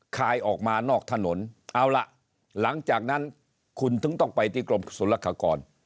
คายออกมานอกถนนเอาล่ะหลังจากนั้นคุณต้องไปที่กรมศูนย์รักษากร